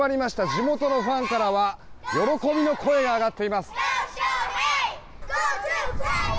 地元のファンからは喜びの声が上がっています。